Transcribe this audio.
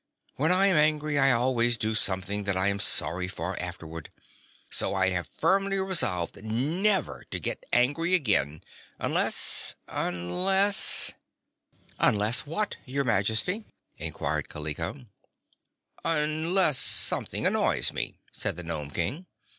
"When I am angry I always do something that I am sorry for afterward. So I have firmly resolved never to get angry again; unless unless " "Unless what, your Majesty?" inquired Kaliko. "Unless something annoys me," said the Nome King.